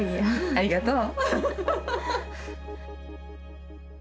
ありがとう！